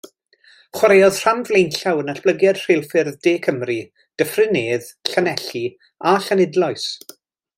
Chwaraeodd rhan flaenllaw yn natblygiad rheilffyrdd De Cymru, Dyffryn Nedd, Llanelli a Llanidloes.